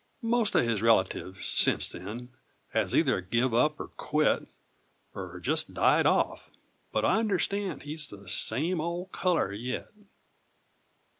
Most o' his relatives, sence then, Has either give up, er quit, Er jest died off, but I understand He's the same old color yit!